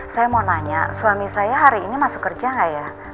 saya mau nanya suami saya hari ini masuk kerja nggak ya